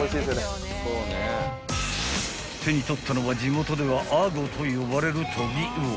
［手に取ったのは地元ではアゴと呼ばれるトビウオ］